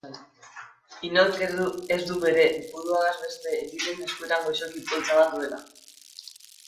Inork ez du bere buruaz beste egiten eskuetan goxoki poltsa bat duela.